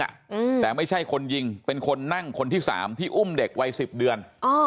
อืมแต่ไม่ใช่คนยิงเป็นคนนั่งคนที่สามที่อุ้มเด็กวัยสิบเดือนอ๋อ